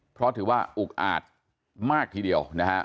เพราะถือว่าอุกอาจมากทีเดียวนะฮะ